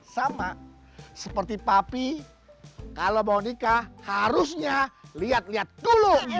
sama seperti papi kalau mau nikah harusnya lihat lihat dulu